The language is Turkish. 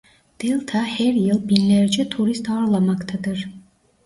Delta her yıl binlerce turist ağırlamaktadır.